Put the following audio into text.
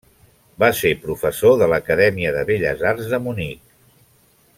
Va ser professor de l'Acadèmia de Belles Arts de Munic.